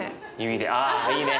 あいいね。